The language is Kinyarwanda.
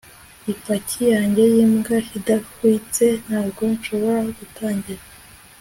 ipaki yanjye yimbwa idahwitse ntabwo nshobora gutangira